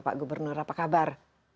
pak gubernur apa kabar